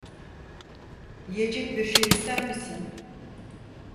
Yiyecek bir şey ister misin?